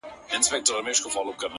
په تهمتونو کي بلا غمونو”